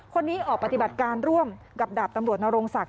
คนนี้ออกปฏิบัติการร่วมกับดาบตำรวจนรงศักดิ